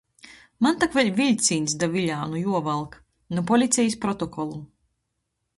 Maņ tok vēļ viļcīņs da Viļānu juovalk... Nu policejis protokolu.